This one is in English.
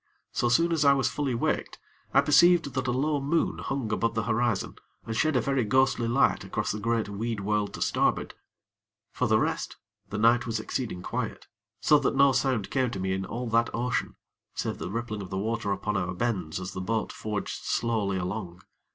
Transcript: So soon as I was fully waked, I perceived that a low moon hung above the horizon, and shed a very ghostly light across the great weed world to starboard. For the rest, the night was exceeding quiet, so that no sound came to me in all that ocean, save the rippling of the water upon our bends as the boat forged slowly along.